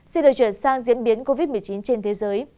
xin được chuyển sang diễn biến covid một mươi chín trên thế giới